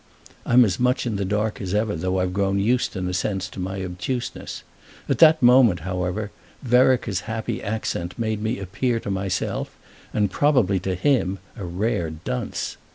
I'm as much in the dark as ever, though I've grown used in a sense to my obtuseness; at that moment, however, Vereker's happy accent made me appear to myself, and probably to him, a rare dunce.